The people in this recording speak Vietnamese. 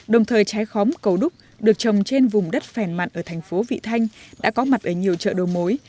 đồng thời trái khóm cầu đúc được trồng trên vùng đất phèn mặn ở thành phố vị thanh đã có mặt ở nhiều chợ đầu mối